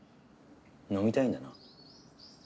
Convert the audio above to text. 飲みたいんだな？